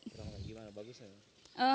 gimana bagus ya